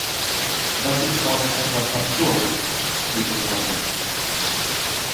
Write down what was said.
Das ist fast etwas absurd, liebe Freunde.